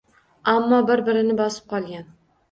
Ammo bir-birini bosib qolgan